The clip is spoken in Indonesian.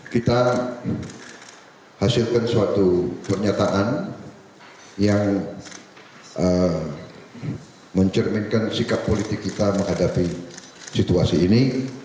kita hasilkan suatu pernyataan yang mencerminkan sikap politik kita menghadapi situasi ini